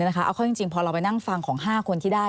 เอาเข้าจริงพอเราไปนั่งฟังของ๕คนที่ได้